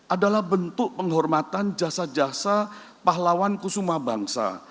adalah bentuk penghormatan jasa jasa pahlawan kusuma bangsa